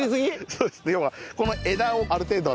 そうですね。